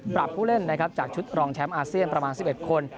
ผู้เล่นนะครับจากชุดรองแชมป์อาเซียนประมาณ๑๑คน